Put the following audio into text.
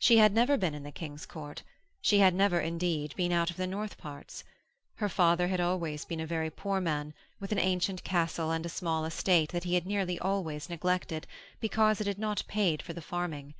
She had never been in the King's court; she had never, indeed, been out of the North parts. Her father had always been a very poor man, with an ancient castle and a small estate that he had nearly always neglected because it had not paid for the farming.